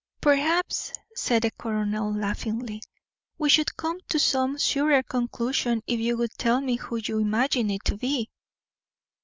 "Perhaps," said the colonel, laughingly, "we should come to some surer conclusion if you would tell me whom you imagine it to be?"